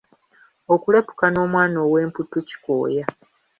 Okuleppuka n'omwana ow'emputtu kikooya.